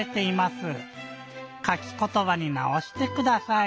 「かきことば」になおしてください。